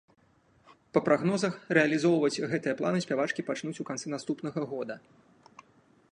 Па прагнозах, рэалізоўваць гэтыя планы спявачкі пачнуць у канцы наступнага года.